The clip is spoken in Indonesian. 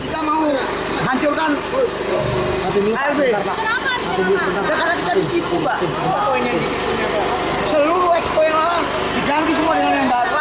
seluruh ekspo yang lalu diganti semua dengan yang batal